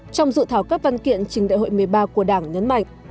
trong dự thảo các văn kiện trình đại hội một mươi ba của đảng nhấn mạnh